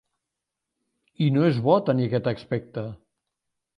I no és bo tenir aquest aspecte.